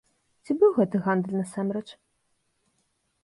Ці быў гэты гандаль насамрэч?